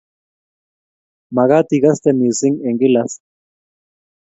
Magat ikaste missing eng kilas